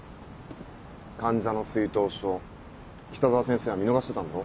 患者の水頭症北澤先生は見逃してたんだろ？